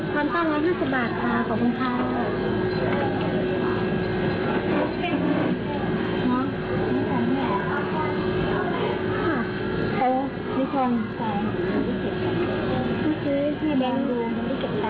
ความต้อนรับ๕๐บาทค่ะขอบคุณค่ะ